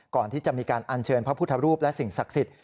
ก่อนที่จะมีการอัญเชิญพระพุทธรูปและสิ่งศักดิ์สิทธิ